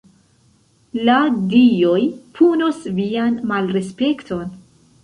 "La dioj punos vian malrespekton."